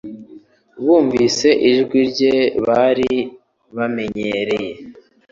bumvise ijwi rye bari bamenyereye,